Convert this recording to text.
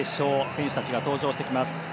選手たちが登場してきます。